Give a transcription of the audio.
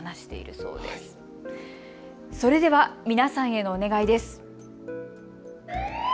それでは、皆さんへのお願いです。